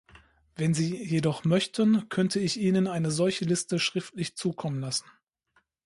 Wenn Sie jedoch möchten, könnte ich Ihnen eine solche Liste schriftlich zukommen lassen.